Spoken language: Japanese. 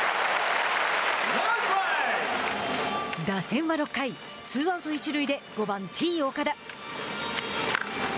打線は６回ツーアウト、一塁で５番Ｔ−岡田。